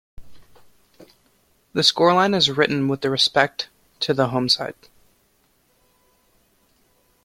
The scoreline is written with respect to the home side.